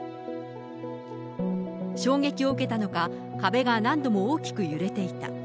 衝撃を受けたのか、壁が何度も大きく揺れていた。